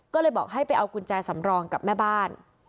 ก็เลยบอกให้ไปเอากุญแจสำรองกับแม่บ้าน